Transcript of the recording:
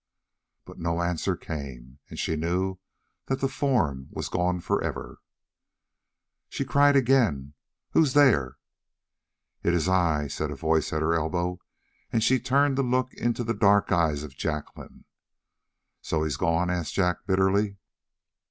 But no answer came, and she knew that the form was gone forever. She cried again: "Who's there?" "It is I," said a voice at her elbow, and she turned to look into the dark eyes of Jacqueline. "So he's gone?" asked Jack bitterly.